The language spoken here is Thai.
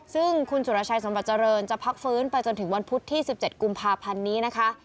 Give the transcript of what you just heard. ซึ่งคุณสุรชัยสมบัติเจริญจะพักฟื้นไปจนถึงวันพุธที่๑๗กุมภาพันธ์นี้นะคะ